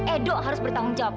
ido harus bertanggung jawab